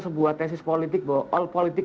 sebuah tesis politik bahwa all politik